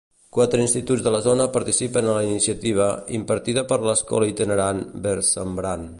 Quatre instituts de la zona participen a la iniciativa, impartida per l'escola itinerant Versembrant.